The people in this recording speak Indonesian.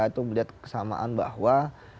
itu melihat kesamaan bahwa